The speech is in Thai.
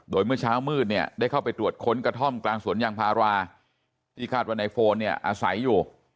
โดยเมื่อเช้ามืดเนี่ยได้เข้าไปตรวจค้นกระท่อมกลางสวนยางพาราที่คาดว่าในโฟนเนี่ยอาศัยอยู่